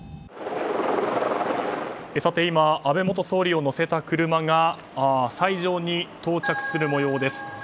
今、安倍元総理を乗せた車が斎場に到着する模様です。